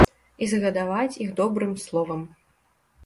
І згадваць іх добрым словам!